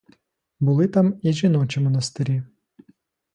Були там і жіночі монастирі.